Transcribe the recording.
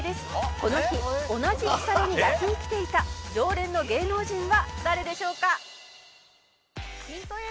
「この日同じ日サロに焼きに来ていた常連の芸能人は誰でしょうか？」